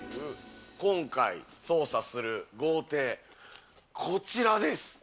今回捜査する豪邸、こちらです。